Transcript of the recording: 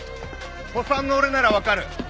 古参の俺なら分かる。